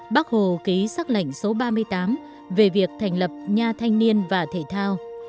bác hồ ký sắc lệnh số ba mươi tám về việc thành lập nhà thanh niên và thể thao